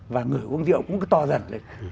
và người uống rượu cũng to dần lên